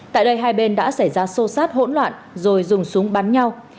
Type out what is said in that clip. tại đây hai bên đã xảy ra sô sát hỗn loạn rồi dùng súng bắn nhau